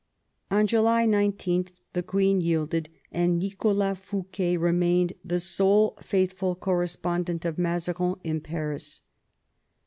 On July 19 the queen yielded, and Nicholas Fouquet remained the sole faithful correspondent of Mazarin in Paris.